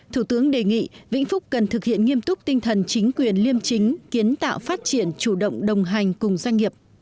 thủ tướng đề nghị vĩnh phúc cần thực hiện nghiêm túc tinh thần chính quyền liêm chính kiến tạo phát triển chủ động đồng hành cùng doanh nghiệp